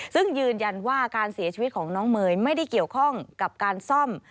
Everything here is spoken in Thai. ซึ่งยืนยันว่าการเสียชีวิตของน้องเมย์ไม่ได้เกี่ยวข้องกับการซ่อม